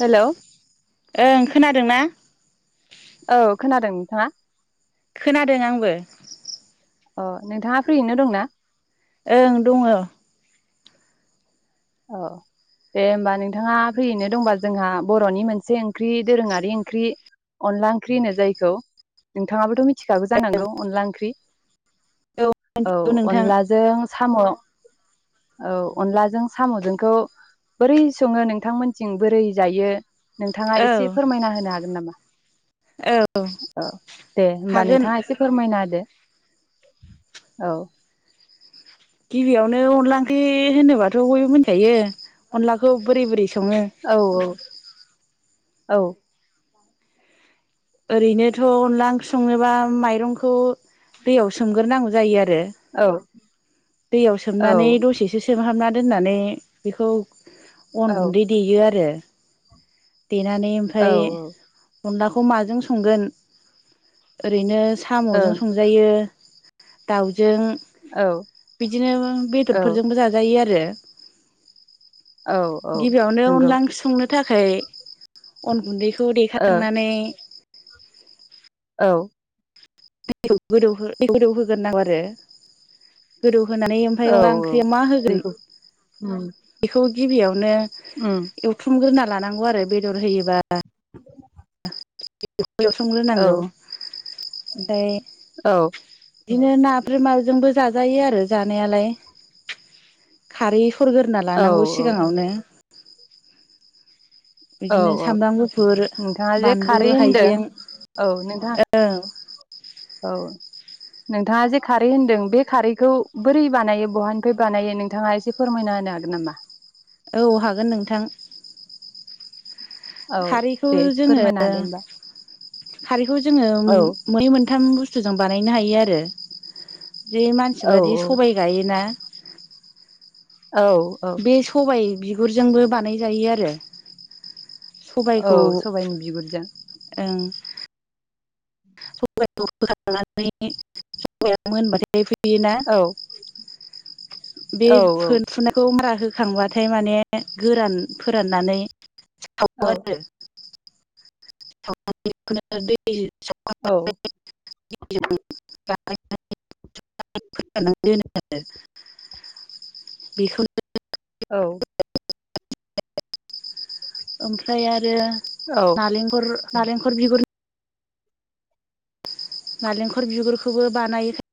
Hello ओं खोनादों ना? औ खोनादों नोंथाङा। खोनादों आंबो। अ नोंथाङा फ्रियैनो दंना? ओं दङ। औ दे होनोमबा नोंथाङा फैयैनो दंबा जोंहा बरनि मोनसे ओंख्रि, दोरोङारि ओंख्रि, अनला ओंख्रि होनो जायखौ नोंथाङाबोथ मिथि फिथिखाबो जानांगौ अनला ओंख्रि औ मिथिगौ नोंथां अनलाजों साम औ अनलाजों सामजोंखौ बोरै सङो नोंथांमोनथिं बोरै जायो। नोंथाङा औ एसे फोरमायना होनो हागोन नामा औ औ दे होमबा हागोन नोंथाङा एसे फोरमायना होदो? औ। गिबियावनो अनला ओंख्रि होनोबाथ बयबो मोनजायो अनलाखौ बोरै-बोरै औ-औ औ ओरैनोथ अनला ओंख्रि सङोबा माइरंखौ दैयाव सोमग्रोनांगौ जायो आरो। औ आरो दैयाव औ सोमनानै दसेसो सोमहाबनानै दोननानै बेखौ अन औ गुन्दै देयो आरो। देनानै औ ओमफ्राय ओं अुलाखौ माजों संगोन ओरैनो सामजों संजायो। दाव जों औ बिदिनो औ बेदरफोरजोंबो जाजायो आरो। औ औ [inaudible] गिबियावनो नंगौ अनलाां संनो थाखाय। अन गुन्दैखौ खौ ओ देखालांनानै। औ। दै गोदौ दै गोदौ होगोन नांगौ आरो। होनानै ओमफफ्राय औ अनला औ ओंख्रिया मा होगोन दैखौ उम बेखौ। गिबियावनो। उम एवथुमग्रोन ना? लानांगौ आरो बेदर होयोबा। [inaudible] औ बेवसोमग्रोनांगौ। ओमफ्राय [unintelligible] औ बिदिनो ना ब्रमाजोंबो जाजायो आरो जानायालाय खारै सरग्रोना औ लानांगौ सिगाङावनो औ बिदिनो औ सामब्राम गुफुर नोंथाङा जे बानलु खारै होनदों हाइजेंओं औ नोंथाङा औ नोंथाङा जे खारै होनदों बे खारैखौ बोरै बानायो बहानिफ्राय बानायो नोंथाङा एसे फोरमायना होनो हागोन नामा औ हागोन नोंथां औ खारैखौ दे एसे जोङो फोरमायना होदो होमबा खारैखौ जोङो औ मै मोनथाम बुस्थुजों बानायनो हायो आरो बे औ मानसिफ्रादि सबाय गायोना औ औ बे सबाय बिगुरजोंबो बानायजायो आरो सबाइखौ औ सबायनि बिगुरजों ओं सबायखौ बोखांनानै मोनबाथाइ फैयोना औ बे औ फोन फुनायखौ मा होखांबाथाय माने गोरान फोराननानै औ सावो आरो औ खो ना सफ जि ज औ बानायनानै फोराननानै दोनो आरो बेखौनो औ ओमफ्राय आरो औ नालेंखर नारेंखर बिगुर नारेंखल बिगुरखौबो बानायोखा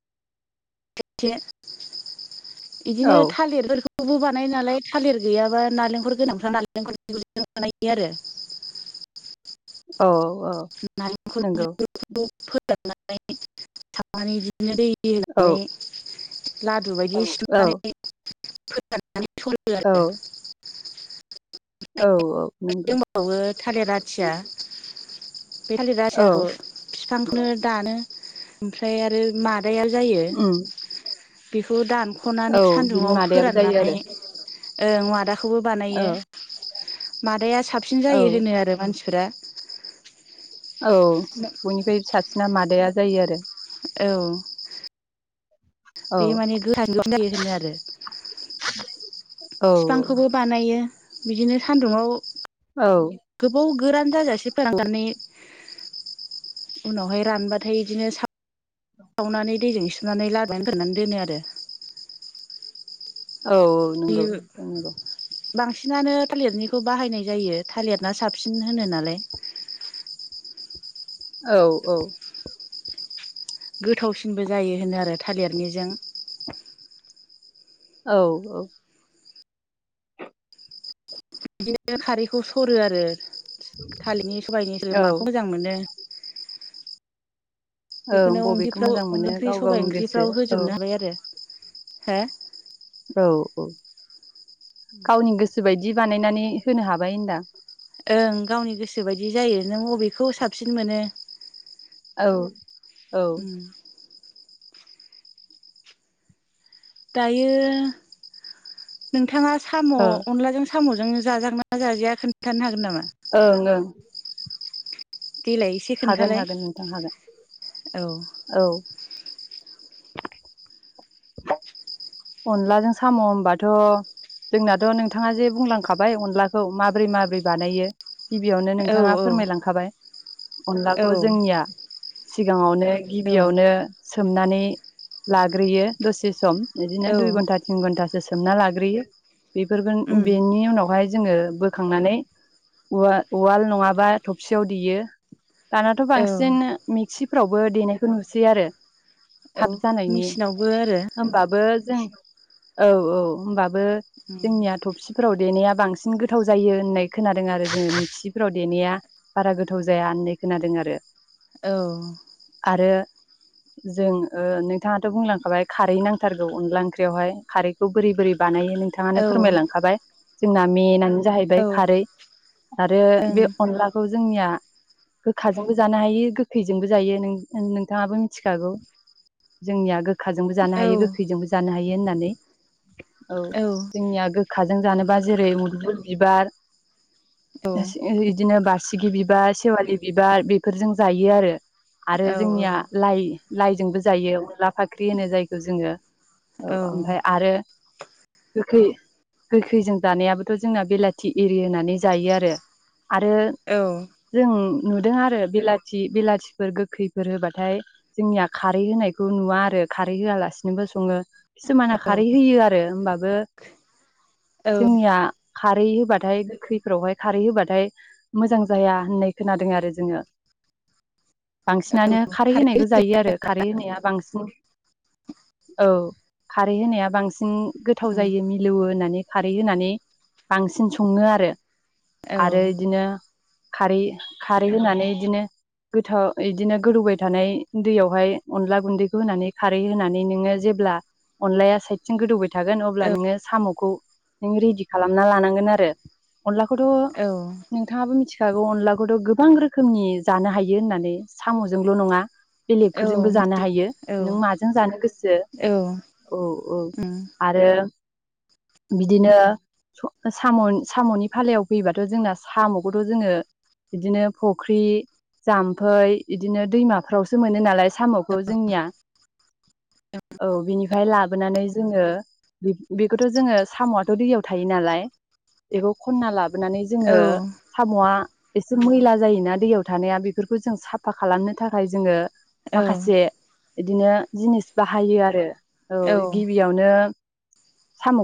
थेसे बिदिनो औ थालिरफोरखौ खौबो बानाय नालाय थालिर गैयाबा नालेंखर गोनांफ्रा नालेंखर बिगुरजोंबो बानायो आरो औ औ नालेंखर नंगौ बिगुरजोंबो फोराननानै सावनानै बिदिनो दै औ होनानै ला दु बायदि औ सिथुमनानै औ [unintelligible] [unintelligible] औ औ नोंगौ थालिराथिया बे थालिर औ आथियाखौ फिफांखौनो दानो ओमफ्राय आरो मा [unintelligible] या जायो उम बिखौ दान औ स'नानै बिनि सान्दुंआव मादायाबो जायो फोराननानै आरो ओं मादा खौबो बानायो औ मादाया साबसिन जायो औ होनो आरो मानसि सोदोआ औ बयनिफाय साबसिना मादाया जायो आरो औ औ बे माने [unintelligible] होनो आरो औ फिफांखौबो बानायो बिदिनो सान्दुंआव औ गोरान जाजासे फोराननानै उनावहाय रानबाथाय बिदिनो सा सावनानै दैजों सुनानै लाद्रायैनो फोरानना दोनो आरो औ औ बे नंगौ नंगौ बांसिनानो थालिरनिखौ बाहायनाय जायो थालिरना साबसिन होनो नालाय औ औ गोथावसिनबो जायो होनो आरो थालेरनिजों औ औ बिदिनो खारैखौ सरो आरो थालिरनि सबायनि सोर औ माखौ मोजां मोनो ओं बेखोनो बबेखौ अन्दैफ्राव मोजां मोनो अनला ओंख्रि गाव सबाय गावनि गोसो ओंख्रिफ्राव औ होजोबनो हाबाय आरो हो औ औ गावनि गोसो बायदि बिदि बानायनानै होनो हाबाय होनदां ओं गावनि गोसो बायदि जायो नों अबेखौ साबसिन मोनो औ ओ उम दायो नोंथांङा साम ओं अनलाजों सामजों जाजागोनना जाजाया खोन्थानो हागोन नामा? ओं ओं देलाय एसे हागोन खोन्थालाय हागोन नोंथां हागोन औ औ औ अनलाजों साम होनबाथ जोंनाथ नोंथांङा जे बुंलांखाबाय अनलाखौ माबोरै माबोरै बानायो गिबियावनो औ नोंथांङा औ फोरमायलांखाबाय औ अनलाखौ जोंनिया सिगांङावनो गिबियावनो औ सोमनानै लाग्रोयो दसे सम इदिनो औ दुइ घन्टा थिन घन्टा सोमना लाग्रोयो बेफोरफोरखौ उम बेनि उनावहाय जोंङो बोखांनानै उवा-उवाल नंङाबा थबसियाव देयो दानाथ औ बांसिन मिक्सिफ्रावबो देनायखौ नुसै आरो औ थाब जानायनि मेचिनावबो आरो होमबा ओ जों औ औ होनबाबो बो उम जोंनिया थबसिफोराव देनाया बांसिन गोथाव जायो होननाय खोनादों आरो जोंङो मिक्चिफोराव देनाया बारा गोथाव जाया होननाय खोनादों आरो औ आरो जों नोंथांङाथ बुंलांखाबाय खारै नां थारगौ अनला ओंख्रिआवहाइ खारैखौ बोरै-बोरै बानायो औ नोंथांङानो फोरमायलांखाबाय जोंना मेनानो औ जाहैबाय खारै आरो ओं बे अनलाखौ जोंनिया गोखाजोंबो जानो हायो गोखैजोंबो जायो नोंथांङाबो मिथिखागौ जोंनिया गोखाजोंबो जानो औ हायो गोखै। गोखैजोंबो जानो हायो होननानै औ जोंनिया गोखाजों जानोबा जेरै मुदुमफुल बिबार इदिनो बारसिगि बिबार, सेवालि बिबार बेफोरजों जायो आरो आरो जोंनिया लाइ लाइजोंबो जायो अनला फाख्रि होनो जायखौ जोंङो। औ ओमफाय आरो गोखै गोखैजों जानायाबोथ जोंना बेलाथि एरि होनानै जायो आरो आरो औ जों नुदों आरो बिलाथि बिलाथिफोर गोखैफोर होबाथाय जोंनिया खारै होनायखौ नुवा आरो खारै होआलासिनोबो। संङो खिसुमाना खारै होयो आरो होमबाबो। औ जोंनिया खारै होबाथाय गोखैफोरावहाय खारै होबाथाय मोजां जाया होननाय खोनादों आरो जोंङो बांसिन। बांसिनानो खारै होनायखौ जायो आरो खारै होनाया बांसिन। औ खारै होनाया बांसिन गोथाव उम जायो मिलौवो होननानै खारै होनानै बांसिन संङो आरो औ आरो इदिनो खारै खारै होनानै बिदिनो गोथाव बिदिनो गोदौबाय थानाय दैयावहाय अनला गुन्दैखौ होनानै खारै होनानै नोङो जेब्ला अनलाया साइदजों गोदौबाय थागोन अब्ला औ नोङो साम'खौ नों रेडि खालामना लानांगोन आरो अनलाखौथ' औ नोंथाङाबो मिथि मिथिखाखौ अनलाखौथ' गोबां रोखोमनि जानो हायो होननानै साम'जोंल' नङा। औ बेलेगफोरजोंबो जानो मिथिगौ हायो नों औ माजों जानो गोसो औ औ औ उम आरो बिदिनो साम'नि फालायाव फैबाथ' जोंना साम'खौथ' जोङो बिदिनो फुख्रि जाम्फै बिदिनो दैमाफ्रावसो मोनो नालाय साम'खौ जोंनिया औ बिनिफ्राय लाबोनानै जोङो बेखौथ' जोङो साम'आथ' दैयाव थायो नालाय बेखौ खनना लाबो लाबोनानै जोङो साम'आ एसे मैला जायोना दैयाव थानाया बेफोरखौ जों साफा खालामनो थाखाय जोङो औ माखासे बिदिनो जिनिस बाहायो आरो औ गिबियावनो साम'खौ